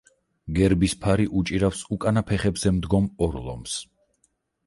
გერბის ფარი უჭირავს უკანა ფეხებზე მდგომ ორ ლომს.